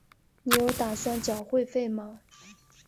你有打算缴会费吗？